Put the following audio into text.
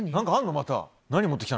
また。